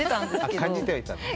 感じてはいたのね。